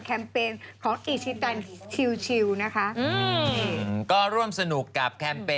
ก็เอาใจจริงนะคะ